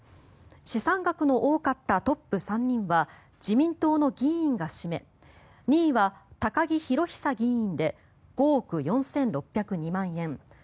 資産額の多かったトップ３人は自民党の議員が占め２位は高木宏寿議員で５億４６０２万円。